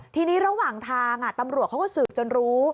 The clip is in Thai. ทีนี้ระหว่างทางตำรวจเขาก็สืบจนรู้